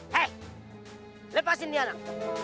hei lepasin dia anak